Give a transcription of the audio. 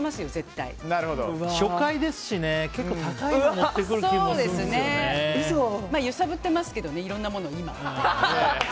初回ですし結構高いの揺さぶってますけどいろんなものを。